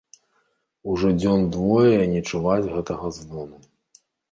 Ужо дзён двое не чуваць гэтага звону.